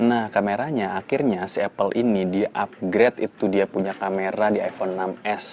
nah kameranya akhirnya si apple ini di upgrade itu dia punya kamera di iphone enam s